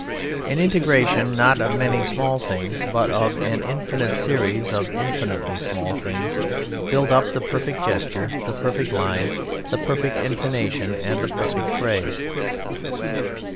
An integration not of many small things but of an infinite series of infinitely small things build up the perfect gesture, the perfect line, the perfect intonation, and the perfect phrase.